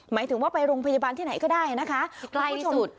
หมายถึงว่าไปโรงพยาบาลที่ไหนก็ได้นะคะที่ใกล้ที่สุด